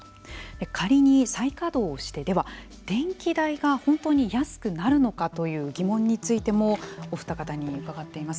仮に再稼働をしてでは電気代が本当に安くなるのかという疑問についてもお二方に伺っています。